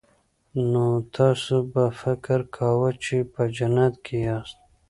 نو تاسو به فکر کاوه چې په جنت کې یاست